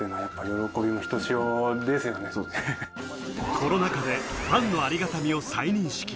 コロナ禍でファンのありがたみを再認識。